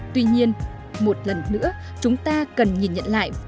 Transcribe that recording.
tuy nhiên một lần nữa chúng ta cần nhìn nhận lại